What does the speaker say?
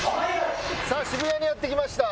さあ渋谷にやって来ました。